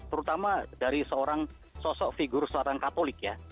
terutama dari sosok figur seorang katolik ya